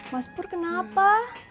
mas pur kenapa